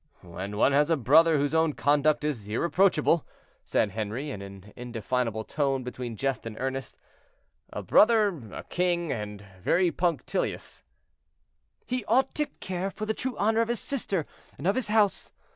"When one has a brother whose own conduct is irreproachable," said Henri, in an indefinable tone between jest and earnest, "a brother a king, and very punctilious—" "He ought to care for the true honor of his sister and of his house.